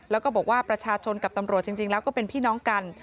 แล้วก็บอกว่าประชาชนกับตำรวจจริงแล้วก็เป็นพี่น้องกัน